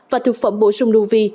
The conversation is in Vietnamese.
và thực phẩm bổ sung nuvi